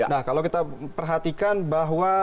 nah kalau kita perhatikan bahwa